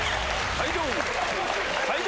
退場！